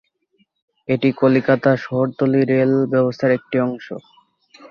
এটি কলকাতা শহরতলি রেল ব্যবস্থার একটি অংশ।